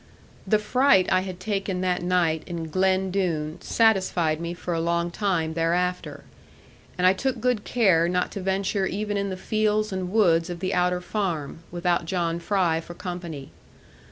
The fright I had taken that night in Glen Doone satisfied me for a long time thereafter; and I took good care not to venture even in the fields and woods of the outer farm, without John Fry for company.